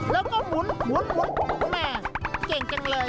แล้วก็หมุนแม่เก่งจังเลย